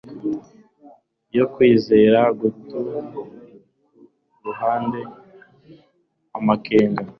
yo kwizerana, guta ku ruhande amakenga